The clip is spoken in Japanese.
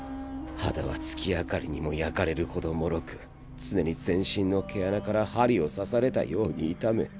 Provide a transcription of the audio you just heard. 肌は月明かりにも焼かれるほど脆く常に全身の毛穴から針を刺されたように痛む。